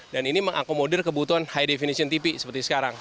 dan ini mengakomodir kebutuhan high definition tipi seperti sekarang